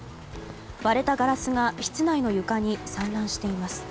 割れたガラスが室内の床に散乱しています。